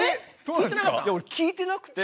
俺聞いてなくて。